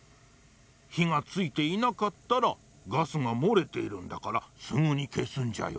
ひがついていなかったらガスがもれているんだからすぐにけすんじゃよ。